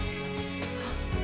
あっ。